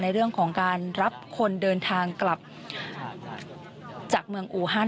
ในเรื่องของการรับคนเดินทางกลับจากเมืองอูฮัน